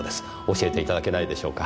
教えていただけないでしょうか。